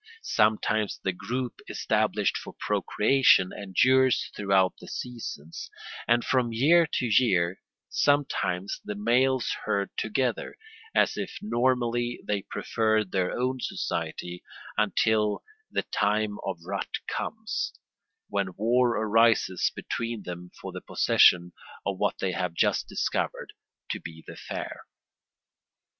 Sometimes the group established for procreation endures throughout the seasons, and from year to year; sometimes the males herd together, as if normally they preferred their own society, until the time of rut comes, when war arises between them for the possession of what they have just discovered to be the fair.